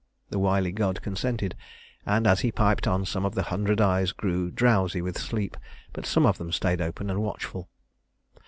The wily god consented, and as he piped on, some of the hundred eyes grew drowsy with sleep, but some of them stayed open and watchful.